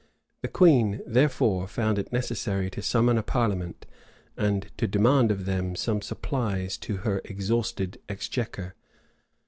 The queen, therefore, found it necessary to summon a parliament, and to demand of them some supplies to her exhausted exchequer.